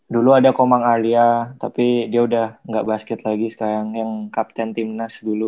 dulu ada komang arya tapi dia udah gak basket lagi sekarang yang kapten timnas dulu